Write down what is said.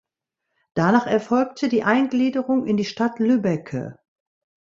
Danach erfolgte die Eingliederung in die Stadt Lübbecke.